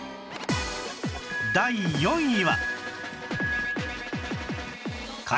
第４位は